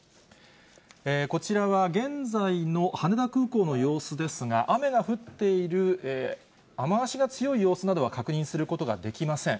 こちらは現在の羽田空港の様子ですが、雨が降っている雨足が強い様子などは確認することができません。